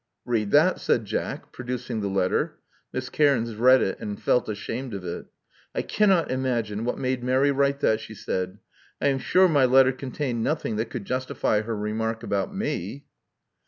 *'Read that," said Jack, producing the letter. Miss Caims read it, and felt ashamed of it. I cannot imagine what made Mary write that,*' she said. '*I am sure my letter contained nothing that could justify her remark about me."